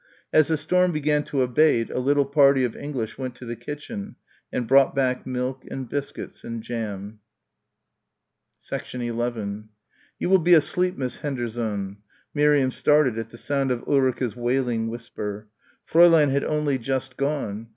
As the storm began to abate a little party of English went to the kitchen and brought back milk and biscuits and jam. 11 "You will be asleep, Miss Hendershon." Miriam started at the sound of Ulrica's wailing whisper. Fräulein had only just gone.